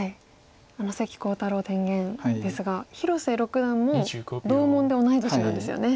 関航太郎天元ですが広瀬六段も同門で同い年なんですよね。